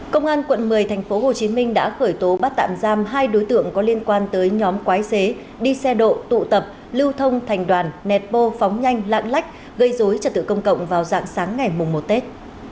công an quận một mươi tp hcm đã khởi tố bắt tạm giam hai đối tượng có liên quan tới nhóm quái xế đi xe độ tụ tập lưu thông thành đoàn nẹt bô phóng nhanh lạng lách gây dối trật tự công cộng vào dạng sáng ngày một tết